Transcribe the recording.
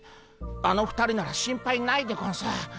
あの２人なら心配ないでゴンス。